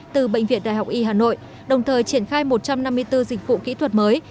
từ bệnh viện đại học y hà nội đồng thời triển khai một trăm năm mươi bốn dịch vụ kỹ thuật mới